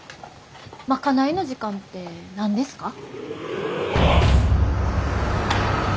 賄いの時間って何ですか？